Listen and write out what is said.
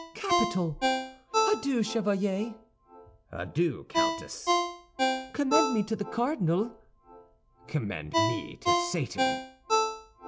"Capital! Adieu, Chevalier." "Adieu, Countess." "Commend me to the cardinal." "Commend me to Satan."